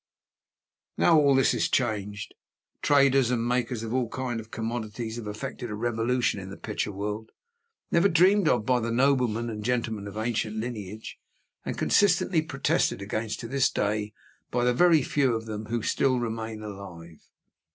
Now all this is changed. Traders and makers of all kinds of commodities have effected a revolution in the picture world, never dreamed of by the noblemen and gentlemen of ancient lineage, and consistently protested against to this day by the very few of them who still remain alive.